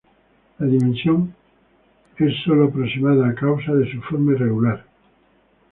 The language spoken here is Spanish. La dimensión son solo aproximadas a causa de su forma irregular